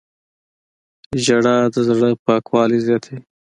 • ژړا د زړه پاکوالی زیاتوي.